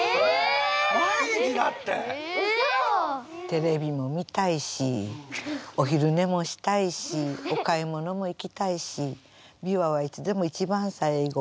テレビも見たいしお昼寝もしたいしお買い物も行きたいし琵琶はいつでも一番最後。